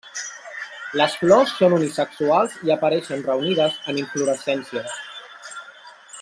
Les flors són unisexuals i apareixen reunides en inflorescències.